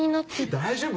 大丈夫！